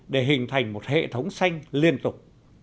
để hình thành một hệ thống xanh liên tục